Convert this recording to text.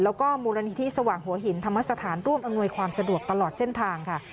แล้วก็มูลนิธิสว่างหัวหินธรรมสถานร่วมอำนวยความสะดวกตลอดเส้นทางค่ะ